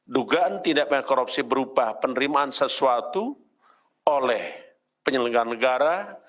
dugaan tindak pidana korupsi berupa penerimaan sesuatu oleh penyelenggara negara